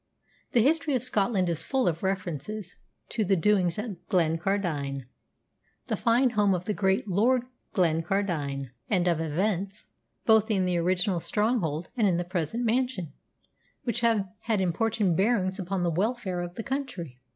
The history of Scotland is full of references to the doings at Glencardine, the fine home of the great Lord Glencardine, and of events, both in the original stronghold and in the present mansion, which have had important bearings upon the welfare of the country.